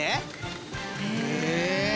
へえ。